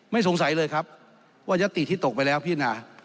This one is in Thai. สงสัยเลยครับว่ายัตติที่ตกไปแล้วพิจารณา